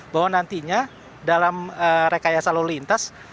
bahwa nantinya dalam rekayasa lalu lintas